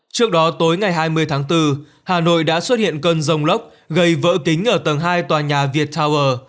trước đó tối ngày hai mươi tháng bốn hà nội đã xuất hiện cơn rông lốc gây vỡ kính ở tầng hai tòa nhà viett tower